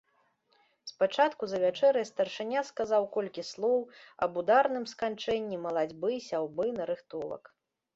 Спачатку за вячэрай старшыня сказаў колькі слоў аб ударным сканчэнні малацьбы, сяўбы, нарыхтовак.